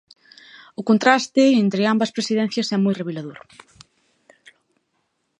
O contraste entre ambas presidencias é moi revelador.